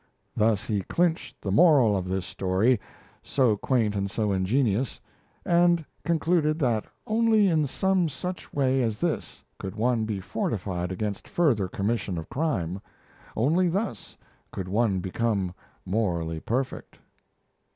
Thus he clinched the "moral" of this story, so quaint and so ingenious; and concluded that only in some such way as this could one be fortified against further commission of crime. Only thus could one become morally perfect!